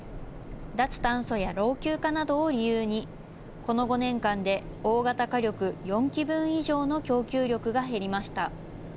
脱炭素や老朽化などを理由にこの５年間で大型火力４基分以上の供給力が減りました。